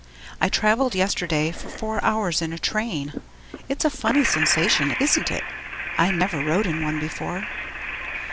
I travelled yesterday for four hours in a train. It's a funny sensation, isn't it? I never rode in one before.